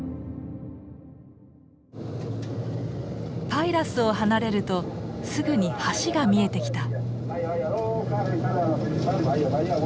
パイラスを離れるとすぐに橋が見えてきた。